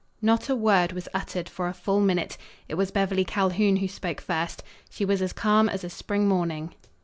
Not a word was uttered for a full minute. It was Beverly Calhoun who spoke first. She was as calm as a spring morning.